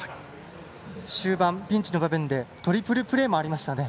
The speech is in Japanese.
終盤、ピンチの場面でトリプルプレーもありましたね。